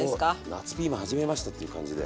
夏ピーマン始めましたっていう感じで。